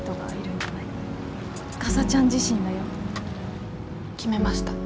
かさちゃん自身だよ。決めました。